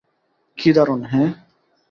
কি দারুন - হ্যাঁ।